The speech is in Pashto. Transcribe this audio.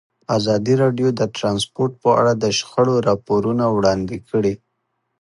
ازادي راډیو د ترانسپورټ په اړه د شخړو راپورونه وړاندې کړي.